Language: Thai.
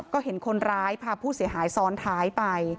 ก็เห็นคนร้ายพาผู้เสียหายซ้อนท้ายไป